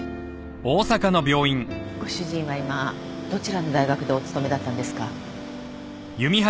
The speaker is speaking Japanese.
ご主人は今どちらの大学でお勤めだったんですか？